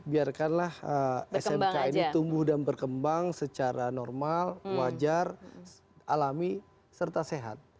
biarkanlah smk ini tumbuh dan berkembang secara normal wajar alami serta sehat